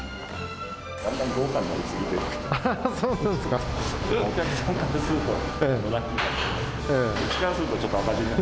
だんだん豪華になってきてる。